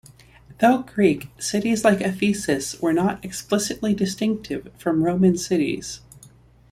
Though Greek, cities like Ephesus were not explicitly distinctive from Roman cities.